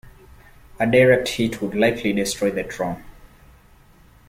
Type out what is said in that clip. A direct hit would likely destroy the drone.